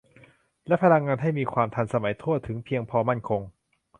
และพลังงานให้มีความทันสมัย ทั่วถึง เพียงพอ มั่นคง